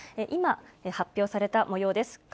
今、発表されたもようです。